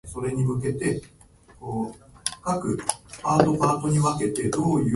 お里の便りも絶え果てた